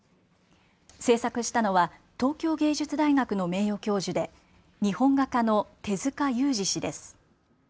制作したのは東京藝術大学の名誉教授で日本画家の手塚雄二氏です。